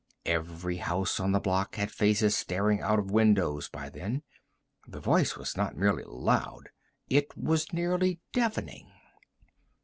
Every house on the block had faces staring out of windows by then. The voice was not merely loud; it was nearly deafening.